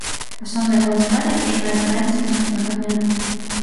Асноўнае галасаванне пачынаецца раніцай наступнага дня.